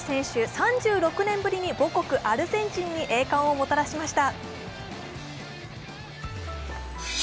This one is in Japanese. ３６年ぶりに母国アルゼンチンに栄冠をもたらしました。